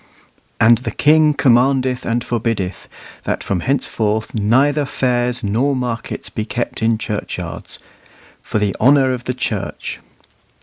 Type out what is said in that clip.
"And the King commandeth and forbiddeth, that from henceforth neither fairs nor markets be kept in Churchyards, for the honour of the Church."